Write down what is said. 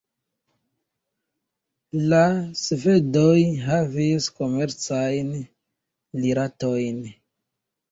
La svedoj havis komercajn rilatojn.